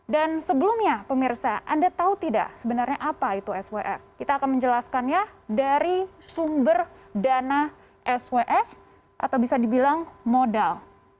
dan sebelumnya pemirsa anda tahu tidak sebenarnya apa itu swf kita akan menjelaskannya dari sumber dana swf atau bisa dibilang modal